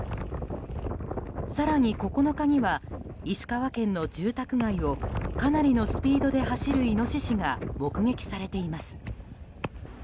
更に９日には石川県の住宅街をかなりのスピードで走るイノシシが目撃されています。